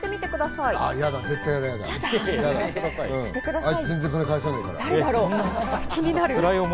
あいつ全然、金返さねえから。